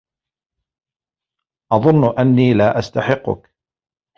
أظنّ أنّي لا أستحقّك.